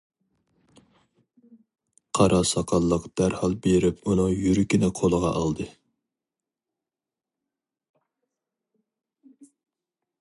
قارا ساقاللىق دەرھال بېرىپ ئۇنىڭ يۈرىكىنى قولىغا ئالدى.